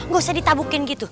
gak usah ditabukin gitu